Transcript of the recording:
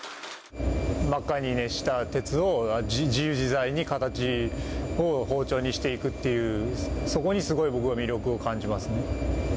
真っ赤に熱した鉄を、自由自在に形を包丁にしていくっていう、そこにすごい、僕は魅力を感じますね。